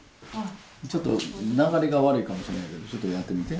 ちょっと流れが悪いかもしれんけどちょっとやってみて。